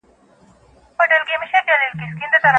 بهرني یرغلونه دا حالت زېږوي.